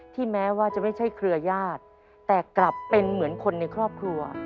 แม้ว่าจะไม่ใช่เครือญาติแต่กลับเป็นเหมือนคนในครอบครัว